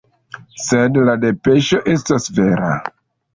Sed la depeŝo estas vera.